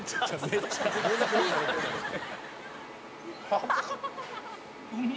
あっ。